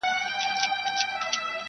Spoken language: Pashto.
o نجلۍ له غوجلې سره تړل کيږي تل,